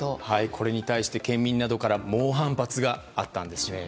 これに対して県民などから猛反発があったんですね。